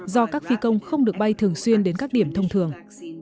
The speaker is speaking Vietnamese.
do các phi công không được bay thường xuyên đến các điểm thông thường